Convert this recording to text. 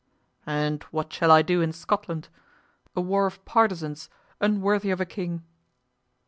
"And what shall I do in Scotland? A war of partisans, unworthy of a king."